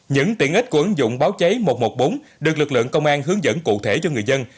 những tiện ích của ứng dụng báo cháy một trăm một mươi bốn được lực lượng công an hướng dẫn cụ thể cho người dân